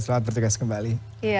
selamat bertugas kembali